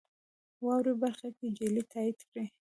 واورئ برخه کې جملې تایید کړئ.